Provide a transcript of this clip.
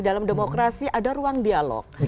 dalam demokrasi ada ruang dialog